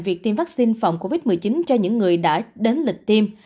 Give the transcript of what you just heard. việc tiêm vaccine phòng covid một mươi chín cho những người đã đến lịch tiêm